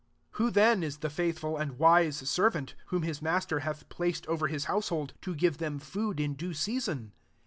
45 " Who then is the faith ful and wise servant, whom his master hath placed over his household, to give them food in due season